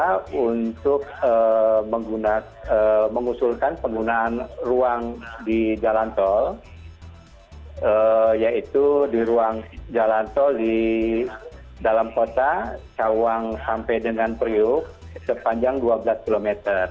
kita untuk mengusulkan penggunaan ruang di jalan tol yaitu di ruang jalan tol di dalam kota cawang sampai dengan priuk sepanjang dua belas km